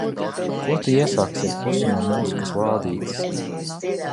Ko tu iesāksi ar pusi no mūzikas lādītes?